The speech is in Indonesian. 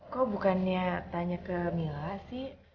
kok bukannya tanya ke mila sih